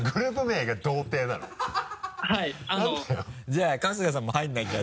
じゃあ春日さんも入らなきゃ。